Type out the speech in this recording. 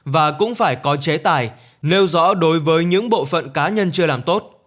và cũng phải có chế tài nêu rõ đối với những bộ phận cá nhân chưa làm tốt